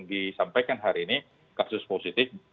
disampaikan hari ini kasus positif